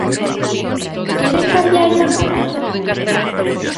¿Queren cambiarlle o nome?